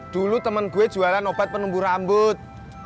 dulu temen gue jualan obat penembu rambut